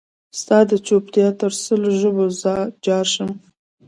ستا دچوپتیا تر سلو ژبو جارشم